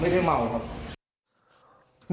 ไม่ได้เมาครับ